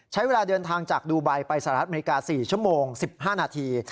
ใช้เวลาเดินทางจากดูไบไปสหรัฐอเมริกา๔ชั่วโมง๑๕นาที